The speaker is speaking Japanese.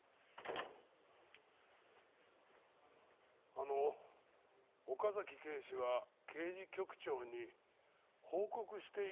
あの岡崎警視は刑事局長に報告していたんでしょうか？